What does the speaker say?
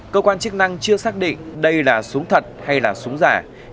cơ quan chức năng chưa xác định đây là súng thật hay là súng giả